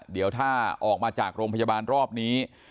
เดี๋ยวถ้าออกมาจากโรงพยาบาลรอบนี้